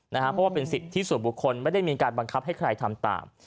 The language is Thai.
เพราะว่าเป็นสิทธิส่วนบุคคลไม่ได้มีการบังคับให้ใครทำตาม